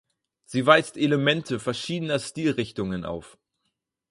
Sie weist Elemente verschiedener Stilrichtungen auf.